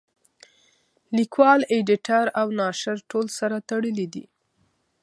لیکوال اېډیټر او ناشر ټول سره تړلي دي.